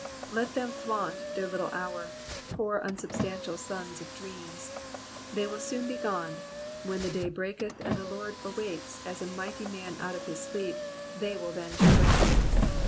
Let them flaunt their little hour, poor unsubstantial sons of dreams ; they will soon be gone ; when the day breaketh, and ^the Lord awakes as a mighty man out of his sleep, they will vanish away.